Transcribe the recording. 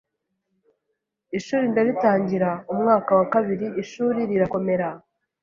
ishuri ndaritangira, umwaka wa kabiri ishuri rirakomera